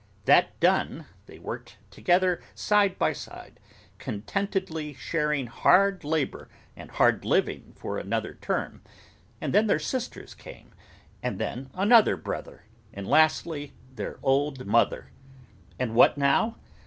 That done, they worked together side by side, contentedly sharing hard labour and hard living for another term, and then their sisters came, and then another brother, and lastly, their old mother. And what now?